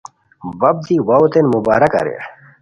بپ دی واؤو تین مبارک اریر